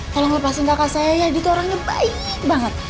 tolong lepasin kakak saya ya dia tuh orangnya baik banget